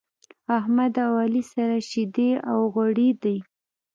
احمد او علي سره شيدې او غوړي دی.